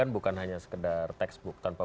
bukan hanya sekedar textbook tanpa